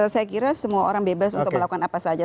saya kira semua orang bebas untuk melakukan apa saja